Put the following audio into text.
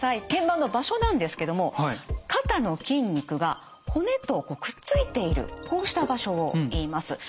腱板の場所なんですけども肩の筋肉が骨とくっついているこうした場所をいいます。